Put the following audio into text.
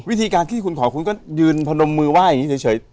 วิธีการที่คุณขอคุณก็ยืนพนมมือไหว้อย่างนี้เฉย